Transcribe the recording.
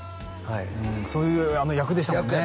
はいそういう役でしたもんね